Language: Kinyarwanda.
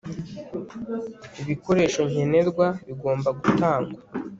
ibikoresho nkenerwa bigomba gutangwa